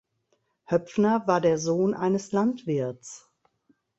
Höpfner war der Sohn eines Landwirts.